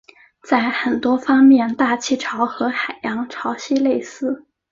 在很多方面大气潮和海洋潮汐类似。